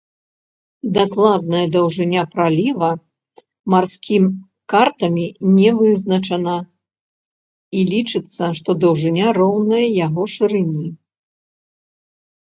Дакладная даўжыня праліва марскім картамі не вызначана і лічыцца, што даўжыня роўная яго шырыні.